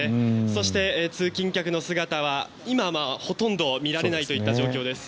そして、通勤客の姿は今はほとんど見られないといった状況です。